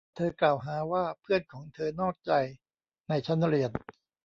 เธอกล่าวหาว่าเพื่อนของเธอนอกใจในชั้นเรียน